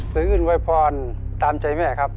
สะอื้นป่วยพรตามใจแม่ครับ